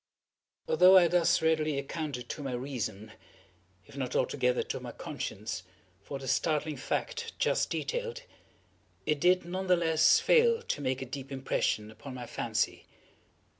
Although I thus readily accounted to my reason, if not altogether to my conscience, for the startling fact just detailed, it did not the less fail to make a deep impression upon my fancy.